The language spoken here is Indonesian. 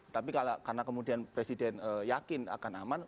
tapi karena kemudian presiden yakin akan aman